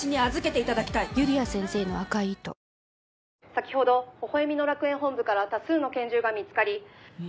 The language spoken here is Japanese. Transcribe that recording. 「先ほど微笑みの楽園本部から多数の拳銃が見つかり」